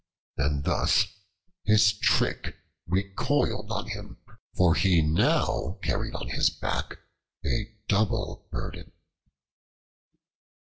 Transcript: And thus his trick recoiled on him, for he now carried on his back a double burden.